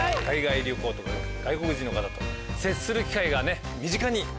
海外旅行とか外国人の方と接する機会が身近に。